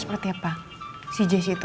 seperti apa si js itu